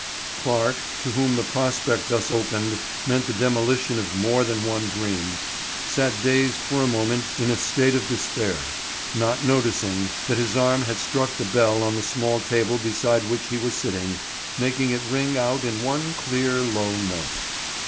Clarke, to whom the prospect thus opened meant the demolition of more than one dream, sat dazed for a moment in a state of despair, not noticing that his arm had struck the bell on the small table beside which he was sitting, making it ring out in one clear, low note.